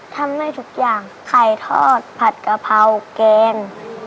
ทำให้ทุกอย่างไอ้ทอดผัดกระเภากแก๊ง